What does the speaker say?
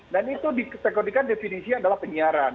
dan itu dikategorikan definisi adalah penyiaran